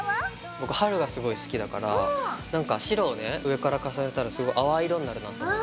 僕春がすごい好きだからなんか白をね上から重ねたらすごい淡い色になるかなと思って。